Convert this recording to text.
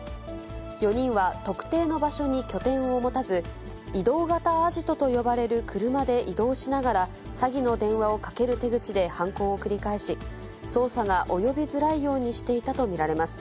４人は特定の場所に拠点を持たず、移動型アジトと呼ばれる車で移動しながら、詐欺の電話をかける手口で犯行を繰り返し、捜査が及びづらいようにしていたと見られます。